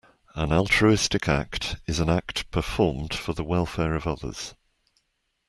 An altruistic act is an act performed for the welfare of others.